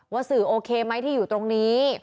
สื่อโอเคไหมที่อยู่ตรงนี้